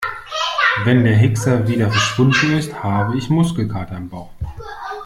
Wenn der Hickser wieder verschwunden ist, habe ich Muskelkater im Bauch.